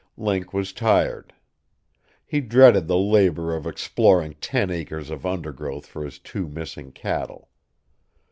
Link was tired. He dreaded the labor of exploring ten acres of undergrowth for his two missing cattle.